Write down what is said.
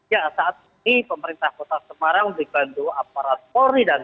ya saat ini pemerintah kota semarang dibantu aparat polri dan tni